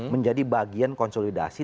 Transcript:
menjadi bagian konsolidasi